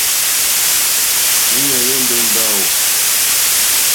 Íɲá hwɛ́ndɛ̀ ó ndáwò.